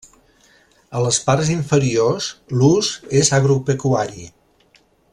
A les parts inferiors l'ús és agropecuari.